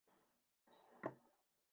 秦王政也任命李斯为客卿。